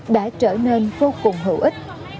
đã trở nên vô cùng hữu ích